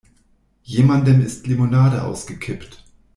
Jemandem ist Limonade ausgekippt.